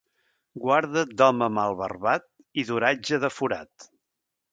Guarda't d'home mal barbat i d'oratge de forat.